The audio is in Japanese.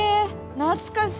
懐かしい！